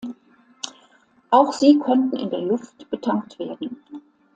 Auch sie konnten in der Luft betankt werden.